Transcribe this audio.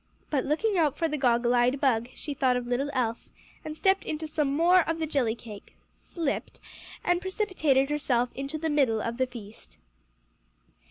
But looking out for the goggle eyed bug, she thought of little else, and stepped into some more of the jelly cake slipped, and precipitated herself into the middle of the feast.